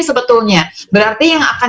sebetulnya berarti yang akan